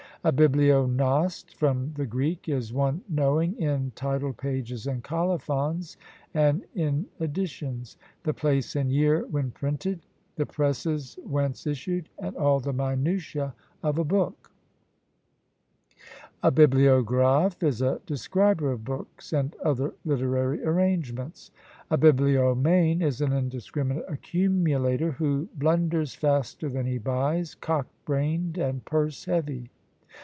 A bibliognoste, from the Greek, is one knowing in title pages and colophons, and in editions; the place and year when printed; the presses whence issued; and all the minutiæ of a book. A bibliographe is a describer of books and other literary arrangements. A bibliomane is an indiscriminate accumulator, who blunders faster than he buys, cock brained, and purse heavy!